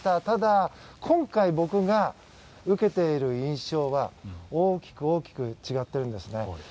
ただ今回、僕が受けている印象は大きく大きく違っているんですね。